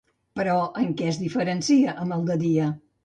Però en què es diferencia amb el de Dia?